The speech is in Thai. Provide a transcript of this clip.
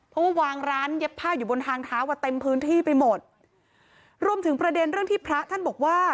เพราะว่าวางร้านเย็บผ้าอยู่บนทางเท้าอ่ะเต็มพื้นที่ไปหมดรวมถึงประเด็นเรื่องที่พระท่านบอกว่า